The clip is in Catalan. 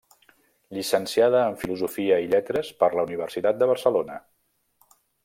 Llicenciada en filosofia i lletres per la Universitat de Barcelona.